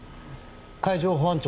海上保安庁